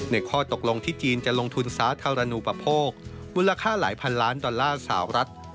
ข้อตกลงที่จีนจะลงทุนสาธารณูปโภคมูลค่าหลายพันล้านดอลลาร์สาวรัฐ